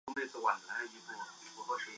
母上官氏。